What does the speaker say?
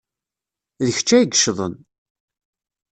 D kecc ay yeccḍen.